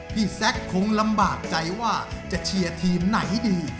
แซคคงลำบากใจว่าจะเชียร์ทีมไหนดี